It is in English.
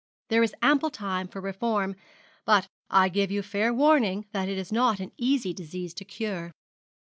There is ample time for reform; but I give you fair warning that it is not an easy disease to cure.